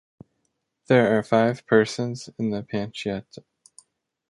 There are five persons in the panchayat.